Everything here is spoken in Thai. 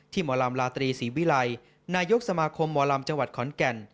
หมอลำลาตรีศรีวิลัยนายกสมาคมหมอลำจังหวัดขอนแก่น